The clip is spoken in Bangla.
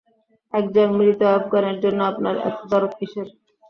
একজন মৃত আফগানের জন্য আপনার এতো দরদ কিসের?